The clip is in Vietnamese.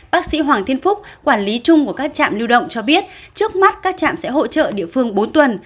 bác sĩ hoàng thiên phúc quản lý chung của các trạm lưu động cho biết trước mắt các trạm sẽ hỗ trợ địa phương bốn tuần